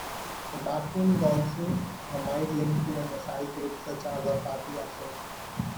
The backbone is also amide-linked to an acyl group, such as a fatty acid.